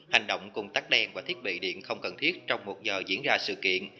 hành động cùng tác đen và thiết bị điện không cần thiết trong một giờ diễn ra sự kiện